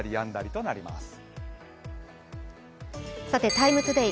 「ＴＩＭＥ，ＴＯＤＡＹ」。